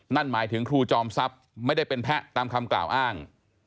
นั่นหมายถึงครูจอมทรัพย์ไม่ได้เป็นแพะตามคำกล่าวอ้าง